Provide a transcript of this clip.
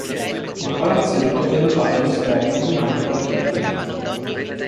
Il palazzetto è dotato all'esterno di un ampio parcheggio.